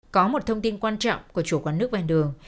có một thông tin quan trọng của chủ quán nước ven đường